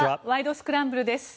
スクランブル」です。